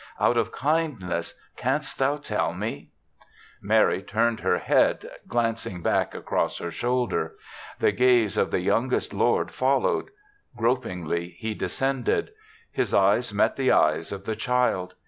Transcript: Out of kind ness canst thou tell me?" Mary turned her head, glancing 54 THE SEVENTH CHRISTMAS back across her shoulder. The gaze of the youngest lord followed. Grop ingly he descended. His eyes met the eyes of the child.